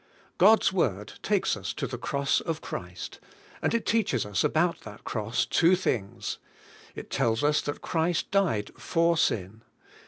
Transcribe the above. God's Word takes us to the cross of Christ, and it teaches us about that cross, two things. It tells us that Christ died for sin.